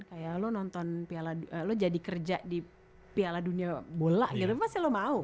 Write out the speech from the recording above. kayak lo nonton lo jadi kerja di piala dunia bola gitu pasti lo mau